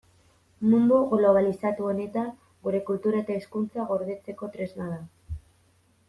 Mundu globalizatu honetan gure kultura eta hizkuntza gordetzeko tresna da.